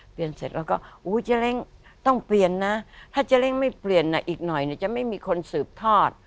เปลี่ยนเสร็จแล้วก็อู้วเจเรงต้องเปลี่ยนนะถ้าเจเรงไม่เปลี่ยนอ่ะอีกหน่อยเนี่ยจะไม่มีคนสืบทอด